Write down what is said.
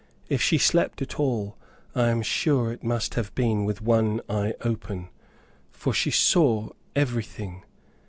If she slept at all I am sure it must have been with one eye open, for she saw everything.